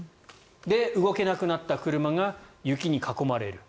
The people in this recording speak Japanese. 動けなくなった車が雪に囲まれる。